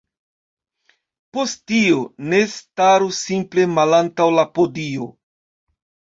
Post tiu, ne staru simple malantaŭ la podio